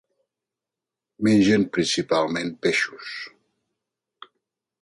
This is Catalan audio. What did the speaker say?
Mengen principalment peixos.